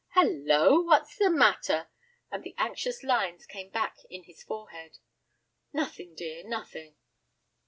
"Hallo, what's the matter?" and the anxious lines came back in his forehead. "Nothing, dear, nothing."